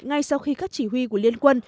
ngay sau khi các chỉ huy của liên quân